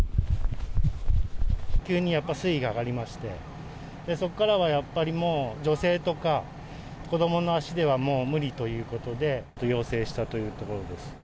急にやっぱり、水位が上がりまして、そこからはやっぱりもう、女性とか子どもの足ではもう無理ということで、要請したというところです。